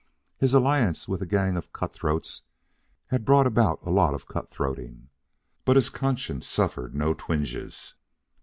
His alliance with a gang of cutthroats had brought about a lot of cutthroating. But his conscience suffered no twinges.